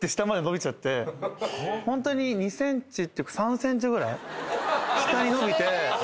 ホントに２ｃｍっていうか３ｃｍぐらい下に伸びて。